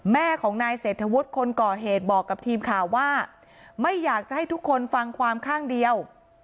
แม่ของนายเศรษฐวุฒิคนก่อเหตุบอกกับทีมข่าวว่าไม่อยากจะให้ทุกคนฟังความข้างเดียว